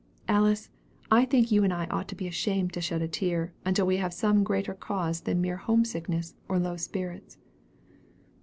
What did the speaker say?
Alice, I think you and I ought to be ashamed to shed a tear, until we have some greater cause than mere home sickness, or low spirits."